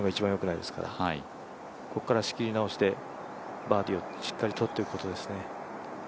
ないですからここから仕切り直しでバーディーをしっかりとっていくことですね。